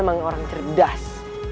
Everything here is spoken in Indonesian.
gua memang orang cerdas